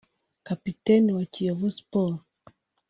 Kapiteni wa Kiyovu Sports